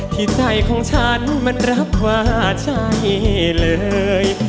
ที่ใจของฉันมันรับว่าใช่เลย